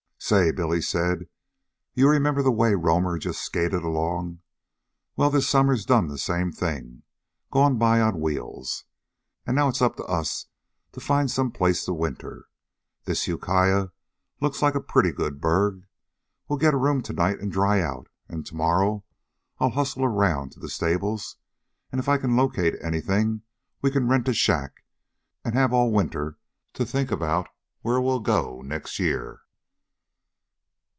"Say," Billy said, "you remember the way the Roamer just skated along. Well, this summer's done the same thing gone by on wheels. An' now it's up to us to find some place to winter. This Ukiah looks like a pretty good burg. We'll get a room to night an' dry out. An' to morrow I'll hustle around to the stables, an' if I locate anything we can rent a shack an' have all winter to think about where we'll go next year."